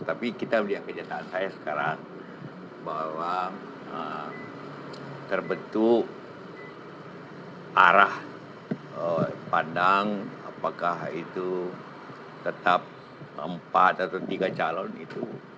tapi kita melihat kenyataan saya sekarang bahwa terbentuk arah pandang apakah itu tetap empat atau tiga calon itu